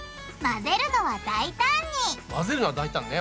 混ぜるのは大胆ね。